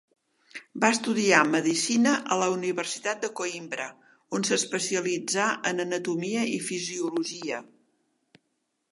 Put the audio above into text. Va estudiar medicina a la Universitat de Coïmbra, on s'especialitzà en anatomia i fisiologia.